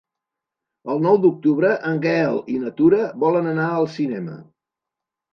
El nou d'octubre en Gaël i na Tura volen anar al cinema.